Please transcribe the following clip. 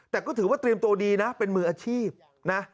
แต่ก็ถือว่าเตรียมตัวดีนะเป็นมืออาชีพนะ